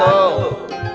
sebelum kita mulai